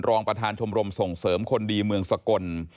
รองประธานชมรมส่งเสริมคนดีเมืองสกล